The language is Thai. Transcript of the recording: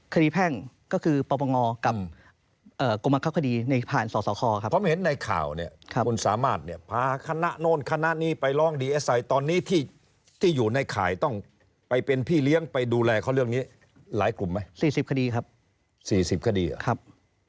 คดีแพ่งก็คือประวังงอกับกรมรับครับคดีในผ่านส่อส่อคอครับ